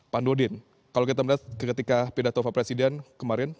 pak nordin kalau kita melihat ketika pedatova presiden kemarin